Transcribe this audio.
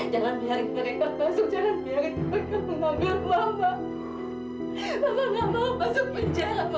jangan biarkan mereka masuk